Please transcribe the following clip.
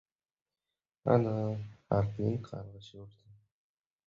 Ana, xalqning qarg‘ishi urdi!